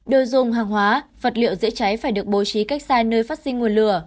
đồ dùng hàng hóa vật liệu dễ cháy phải được bố trí cách xa nơi phát sinh nguồn lửa